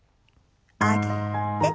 上げて。